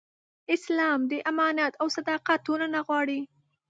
اسلام د امانت او صداقت ټولنه غواړي.